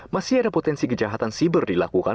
masih ada potensi kejahatan siber dilakukan